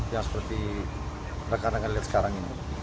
yang seperti rekan rekan lihat sekarang ini